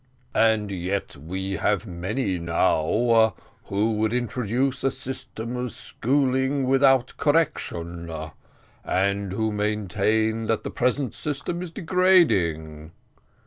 "And yet we have many now who would introduce a system of schooling without correction; and who maintain that the present system is degrading."